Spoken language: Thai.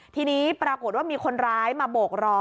ทีนี้ปรากฏว่ามีคนร้ายมาโบกรอ